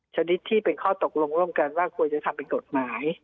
ชนิดที่เป็นข้อตกลงว่าต้องไปทำกรดหมาย